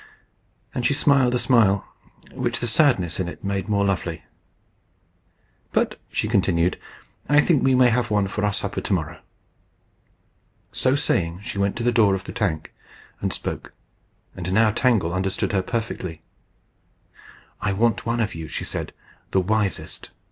And she smiled a smile which the sadness in it made more lovely. "But," she continued, "I think we may have one for supper to morrow." So saying she went to the door of the tank, and spoke; and now Tangle understood her perfectly. "I want one of you," she said, "the wisest."